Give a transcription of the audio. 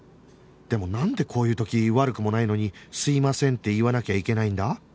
でもなんでこういう時悪くもないのに「すいません」って言わなきゃいけないんだ？